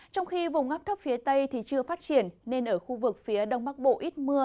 trong khi vùng ngắp thấp phía tây chưa phát triển nên ở khu vực phía đông bắc bộ ít mưa